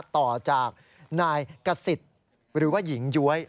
ต่อจากนายกษิตหรือว่าหญิงย้วย